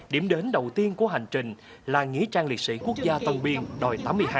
điểm đến đầu tiên của hành trình là nghỉ trang liệt sĩ quốc gia tân biên đòi tám mươi hai